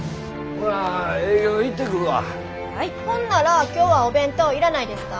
ほんなら今日はお弁当要らないですか？